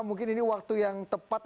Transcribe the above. mungkin ini waktu yang tepat